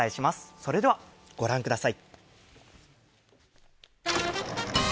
それでは御覧ください。